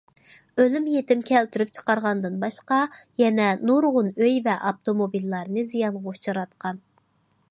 ئۆلۈم- يېتىم كەلتۈرۈپ چىقارغاندىن باشقا، يەنە نۇرغۇن ئۆي ۋە ئاپتوموبىللارنى زىيانغا ئۇچراتقان.